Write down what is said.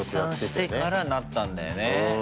出産してから、なったんだよね。